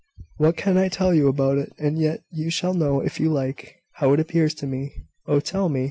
"What can I tell you about it? And yet, you shall know, if you like, how it appears to me." "Oh, tell me!